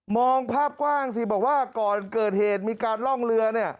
มองภาพกว้างที่บอกว่าก่อนเกิดเหตุมีการร่องเรือ